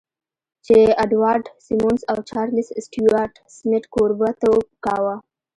جې اډوارډ سيمونز او چارليس سټيوارټ سميت کوربهتوب کاوه.